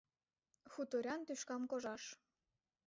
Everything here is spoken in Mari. — Хуторян тӱшкам кожаш!